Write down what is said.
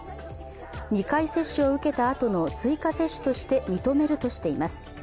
２回接種を受けたあとの追加接種として認めるとしています。